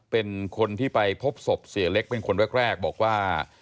เป็นคนที่ไปพบศพเสียเล็กเป็นคนแรกบอกว่า